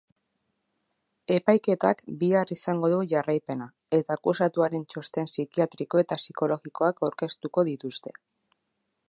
Epaiketak bihar izango du jarraipena eta akusatuaren txosten psikiatriko eta psikologikoak aurkeztuko dituzte.